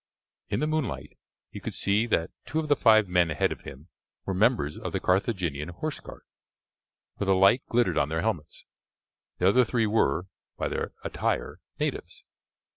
In the moonlight he could see that two of the five men ahead of him were members of the Carthaginian horse guard, for the light glittered on their helmets; the other three were, by their attire, natives.